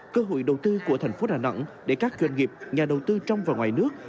cơ hội đầu tư của tp đà nẵng để các doanh nghiệp nhà đầu tư trong và ngoài nước